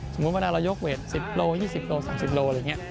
สมมุติเวลาเรายกเวท๑๐กรัม๒๐กรัม๓๐กรัมอะไรอย่างนี้